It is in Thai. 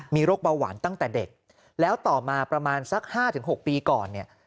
มีโรคเบาหวานตั้งแต่เด็กแล้วต่อมาประมาณสัก๕๖ปีก่อนเนี่ย